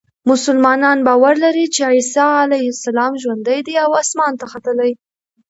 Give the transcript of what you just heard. مسلمانان باور لري چې عیسی علیه السلام ژوندی دی او اسمان ته ختلی.